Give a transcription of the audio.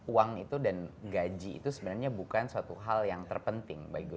uang itu dan gaji itu sebenarnya bukan suatu hal yang terpenting